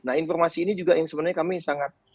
nah informasi ini juga yang sebenarnya kami sangat